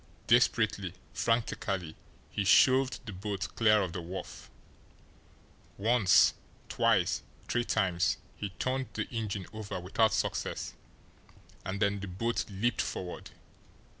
Desperately, frantically he shoved the boat clear of the wharf. Once twice three times he turned the engine over without success and then the boat leaped forward.